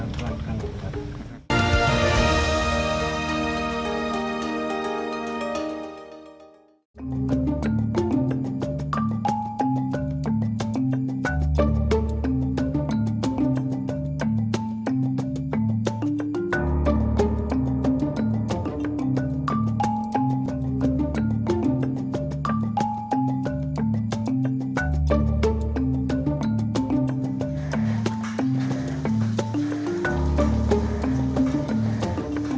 makanya kita sajarkan kepada ibu ibu